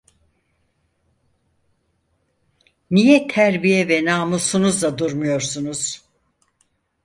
Niye terbiye ve namusunuzla durmuyorsunuz?